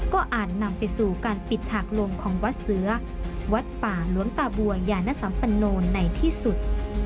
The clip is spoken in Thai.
ก็อาจนำไปสู่การปิดฉากลงของวัดเสือวัดป่าหลวงตาบัวยานสัมปโนในที่สุด